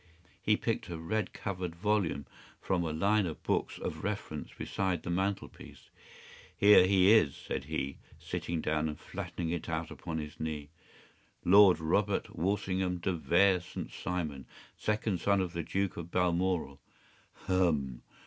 ” He picked a red covered volume from a line of books of reference beside the mantel piece. “Here he is,” said he, sitting down and flattening it out upon his knee. “Lord Robert Walsingham de Vere St. Simon, second son of the Duke of Balmoral—Hum!